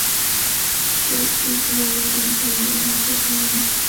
尾鳍及尾柄部有蓝色斑纹。